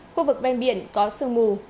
khu vực bên biển có sương mù